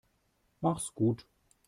Mach's gut.